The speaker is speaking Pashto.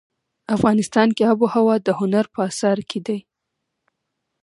افغانستان کې آب وهوا د هنر په اثار کې دي.